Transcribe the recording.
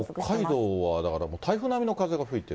北海道はだから、もう台風並みの風が吹いてる。